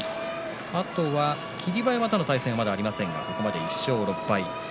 あとは霧馬山との対戦がまだありませんがここまで１勝６敗。